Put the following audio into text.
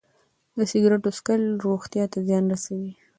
د سګرټو څښل روغتیا ته زیان رسوي.